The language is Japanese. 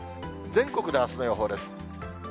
全国のあすの予報です。